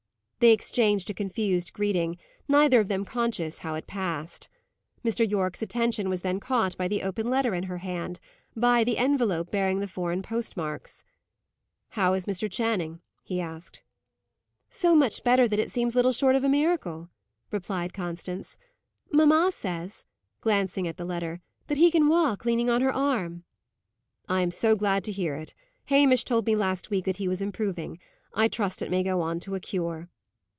They exchanged a confused greeting; neither of them conscious how it passed. Mr. Yorke's attention was then caught by the open letter in her hand by the envelope bearing the foreign post marks. "How is Mr. Channing?" he asked. "So much better that it seems little short of a miracle," replied Constance. "Mamma says," glancing at the letter, "that he can walk, leaning on her arm." "I am so glad to hear it! Hamish told me last week that he was improving. I trust it may go on to a cure."